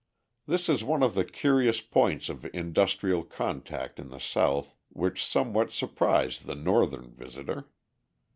This is one of the curious points of industrial contact in the South which somewhat surprise the Northern visitor.